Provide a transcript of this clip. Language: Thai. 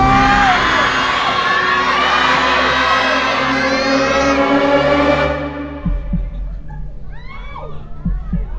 อ้าวอ้าวอ้าว